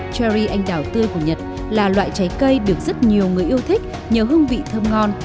cherry anh đào tươi của nhật là loại trái cây được rất nhiều người yêu thích nhờ hương vị thơm ngon